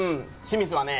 清水はね